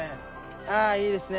ああいいですね。